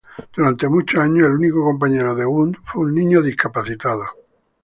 Durante muchos años, el único compañero de Wundt fue un niño discapacitado.